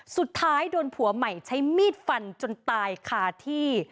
สุดท้ายโดนผัวใหม่ใช้มีดฟันจนตายคาที่